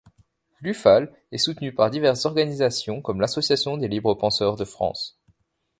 L'Ufal est soutenue par diverses organisations comme l'Association des libres penseurs de France.